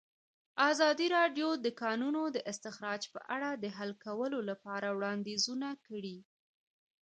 ازادي راډیو د د کانونو استخراج په اړه د حل کولو لپاره وړاندیزونه کړي.